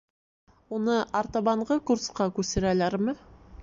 Уны артабанғы курсҡа күсерәләрме?